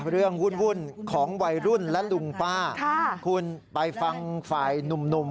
เรื่องบุนบุนของวัยรุ่นและรุ่นป้าคุณไปฟังฝ่ายหนุ่ม